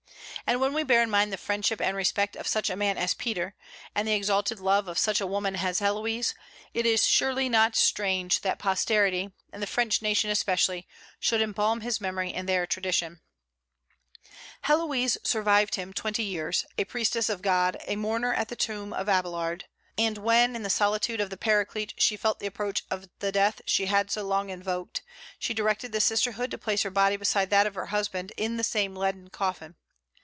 And when we bear in mind the friendship and respect of such a man as Peter, and the exalted love of such a woman as Héloïse, it is surely not strange that posterity, and the French nation especially, should embalm his memory in their traditions. Héloïse survived him twenty years, a priestess of God, a mourner at the tomb of Abélard. And when in the solitude of the Paraclete she felt the approach of the death she had so long invoked, she directed the sisterhood to place her body beside that of her husband in the same leaden coffin.